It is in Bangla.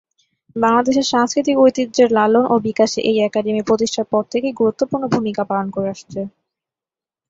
বাংলাদেশের সাংস্কৃতিক ঐতিহ্যের লালন ও বিকাশে এই একাডেমি প্রতিষ্ঠার পর থেকেই গুরুত্বপূর্ণ ভূমিকা পালন করে আসছে।